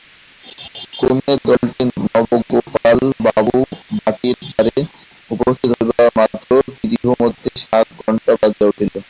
ক্রমে দলটি নবগোপাল বাবুর বাটীর দ্বারে উপস্থিত হইবামাত্র গৃহমধ্যে শাঁক ঘণ্টা বাজিয়া উঠিল।